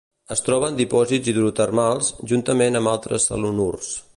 Es troba en dipòsits hidrotermals, juntament amb altres selenurs.